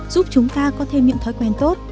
giúp chúng ta có thêm những thói quen tốt